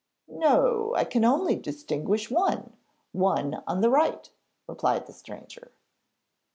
'No; I can only distinguish one one on the right,' replied the stranger.